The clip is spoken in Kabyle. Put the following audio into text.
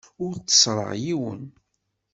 Ur tteṣṣreɣ yiwen.